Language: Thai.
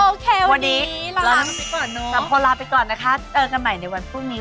โอเควันนี้หลังไปก่อนเนอะกลับโปรลาไปก่อนนะคะเตือนกันใหม่ในวันพรุ่งนี้